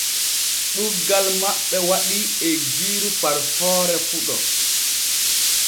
Ɗuuggal maɓɓe waɗii eggiiru far hoore fuɗo.